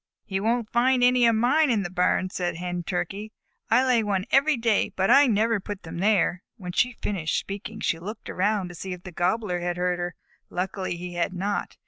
"He won't find any of mine in the barn," said a Hen Turkey. "I lay one every day, but I never put them there." When she had finished speaking, she looked around to see if the Gobbler had heard her. Luckily he had not.